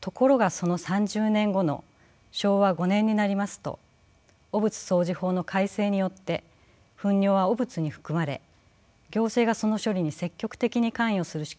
ところがその３０年後の昭和５年になりますと汚物掃除法の改正によって糞尿は汚物に含まれ行政がその処理に積極的に関与する仕組みへと変わります。